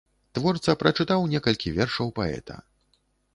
Творца прачытаў некалькі вершаў паэта.